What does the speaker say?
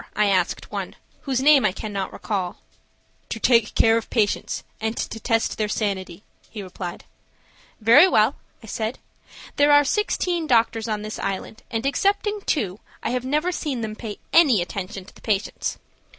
I asked one, whose name I cannot recall. "To take care of the patients and test their sanity," he replied. "Very well," I said. "There are sixteen doctors on this island, and excepting two, I have never seen them pay any attention to the patients.